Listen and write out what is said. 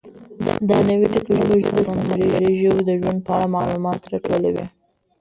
دا نوې ټیکنالوژي د سمندري ژویو د ژوند په اړه معلومات راټولوي.